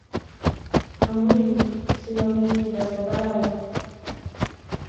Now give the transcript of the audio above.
ami yu si ko bit I kass ko kararan